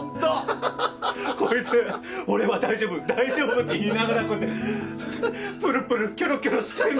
こいつ「俺は大丈夫大丈夫」って言いながらこうやってプルプルキョロキョロしてんの。